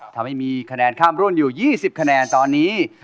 ทำให้มีณคำรุ่นอยู่๒๐คะแนนตอนนี้